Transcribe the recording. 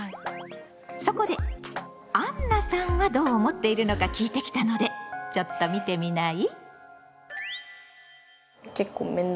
そこであんなさんはどう思っているのか聞いてきたのでちょっと見てみない？